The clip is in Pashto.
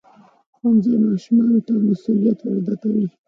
ښوونځی ماشومانو ته مسؤلیت ورزده کوي.